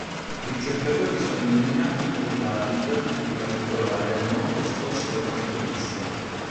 I ricercatori sono indignati e David, in particolare, è molto scosso da quanto visto.